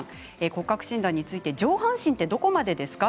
骨格診断について上半身は、どこまでですか？